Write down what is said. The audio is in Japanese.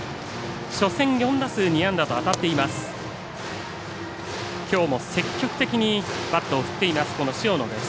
初戦、４打数２安打と当たっています。